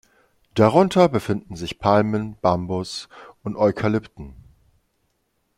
Darunter befinden sich Palmen, Bambus und Eukalypten.